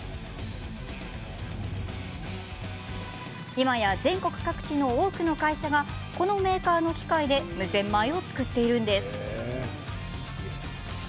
今や全国各地の多くの会社がこのメーカーの機械で無洗米を作っているんです。